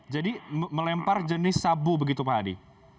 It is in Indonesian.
jadi melempar jenis sabu begitu pak hadi